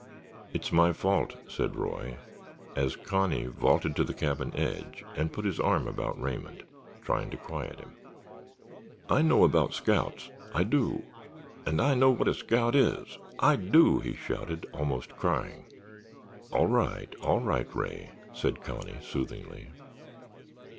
"It's my fault," said Roy, as Connie vaulted to the cabin edge and put his arm about Raymond, trying to quiet him. "I know about scouts—I do—and I know what a scout is—I do——" he shouted, almost crying. "All right, all right, Ray," said Connie, soothingly.